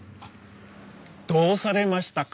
どうされましたか？